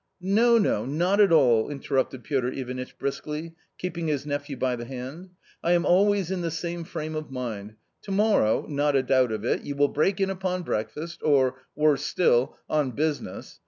" No, no, not at all," interrupted Piotr Ivanitch briskly, keeping his nephew by the hand, " I am always in the same frame of mind. To morrow — not a doubt of it — you will break in upon breakfast, or worse still— on business.